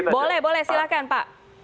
boleh boleh silahkan pak